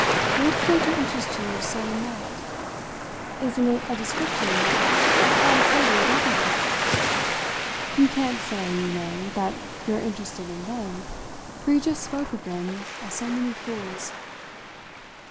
"What is there to interest you so in that? Isn't it a description that applies here to a dozen other women? You can't say, you know, that you're interested in them, for you just spoke of them as so many fools."